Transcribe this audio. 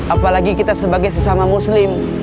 apalagi kita sebagai sesama muslim